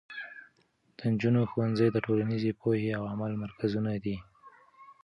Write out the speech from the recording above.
د نجونو ښوونځي د ټولنیزې پوهې او عمل مرکزونه دي.